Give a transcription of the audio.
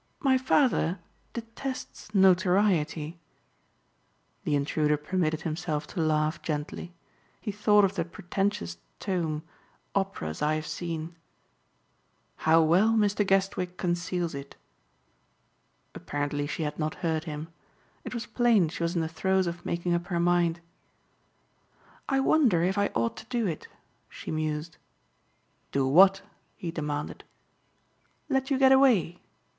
"My father detests notoriety." The intruder permitted himself to laugh gently. He thought of that pretentious tome "Operas I Have Seen." "How well Mr. Guestwick conceals it!" Apparently she had not heard him. It was plain she was in the throes of making up her mind. "I wonder if I ought to do it," she mused. "Do what?" he demanded. "Let you get away.